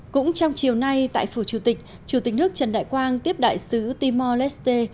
cũng trong chiều nay tại phủ chủ tịch chủ tịch nước trần đại quang tiếp đại sứ timor leste